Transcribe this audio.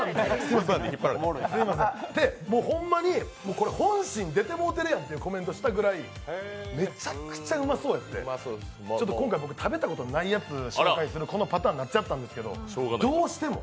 ほんまに、本心出てもうてるやんってぐらいめちゃくちゃうまそうで今回、食べたことないやつ紹介するこのパターンになっちゃったけどどうしても。